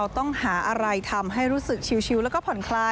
สวัสดีค่ะพี่จินนี่